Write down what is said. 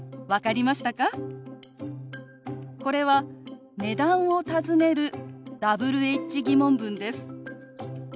これは値段を尋ねるＷｈ−疑問文です。